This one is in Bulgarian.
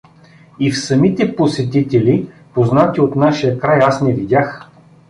И в самите посетители познати от нашия край аз не видях.